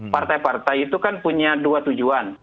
partai partai itu kan punya dua tujuan